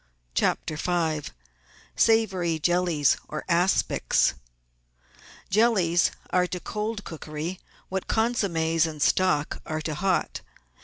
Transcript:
CHAPTER V Savoury Jellies or Aspics Jellies are to cold cookery what consommes and stock are to hot.